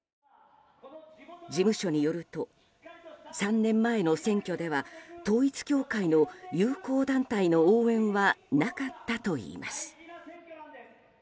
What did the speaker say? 事務所によると３年前の選挙では統一教会の友好団体の応援はなかったといいます。